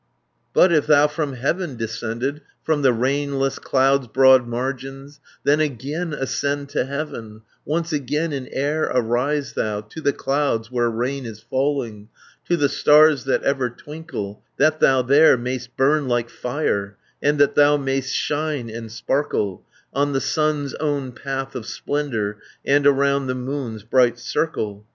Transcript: "But if thou from heaven descended, From the rainless clouds' broad margins, 360 Then again ascend to heaven, Once again in air arise thou, To the clouds where rain is falling, To the stars that ever twinkle, That thou there mayst burn like fire, And that thou mayst shine and sparkle On the sun's own path of splendour, And around the moon's bright circle.